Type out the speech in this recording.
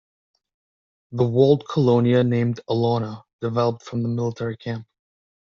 The walled colonia named "Alauna" developed from the military camp.